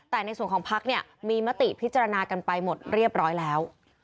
แต่ในส่วนของพักเนี่ยมีมติพิจารณากันไปหมดเรียบร้อยแล้ว